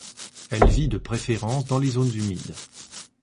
Elle vit de préférence dans les zones humides.